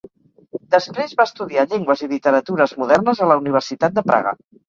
Després va estudiar llengües i literatures modernes a la Universitat de Praga.